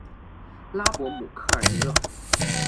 拉博姆科尔尼朗。